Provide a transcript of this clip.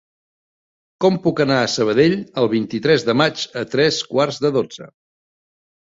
Com puc anar a Sabadell el vint-i-tres de maig a tres quarts de dotze?